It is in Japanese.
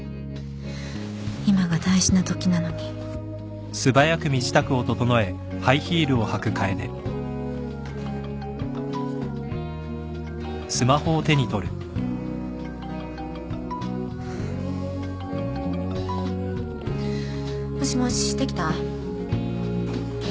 今が大事なときなのにもしもしできた ？ＯＫ。